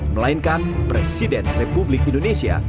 melainkan presiden republik indonesia